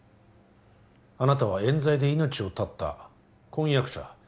あなたは冤罪で命を絶った婚約者